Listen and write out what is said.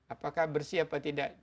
apakah bersih atau tidak